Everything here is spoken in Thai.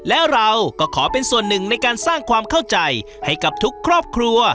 แล้วเราก็ขอเป็นส่วนหนึ่งในการสร้างความเข้าใจให้กับทุกครอบครัว